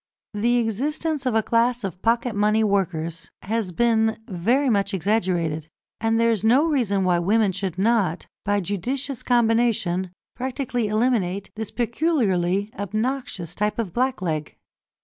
The existence of a class of pocket money workers has been very much exaggerated, and there is no reason why women should not, by judicious combination, practically eliminate this peculiarly obnoxious type of blackleg.